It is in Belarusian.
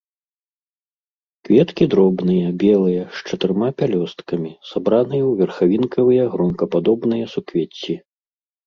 Кветкі дробныя, белыя, з чатырма пялёсткамі, сабраныя ў верхавінкавыя гронкападобныя суквецці.